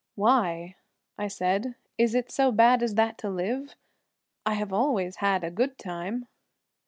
"Why," I said, "is it so bad as that to live? I have always had a good time."